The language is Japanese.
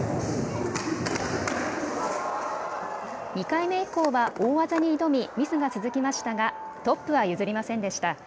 ２回目以降は大技に挑み、ミスが続きましたがトップは譲りませんでした。